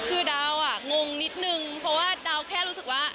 คือดาวงงนิดนึงเพราะว่าดาวแค่รู้สึกว่า